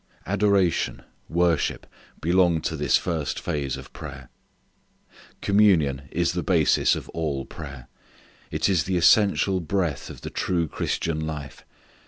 Adoration, worship belong to this first phase of prayer. Communion is the basis of all prayer. It is the essential breath of the true Christian life.